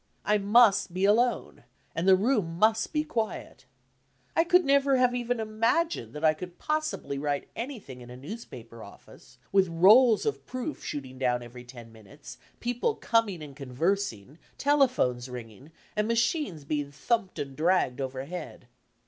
I must be alone, and the room must be quiet. I could never have even imagined that I could possi bly write anything in a newspaper office, with rolls of proof Digilized by Google shooting down every ten minutes, people coining and con versing, telephones ringing, and machines being thumped and dragged overhead.